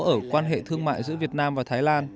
có một số ở quan hệ thương mại giữa việt nam và thái lan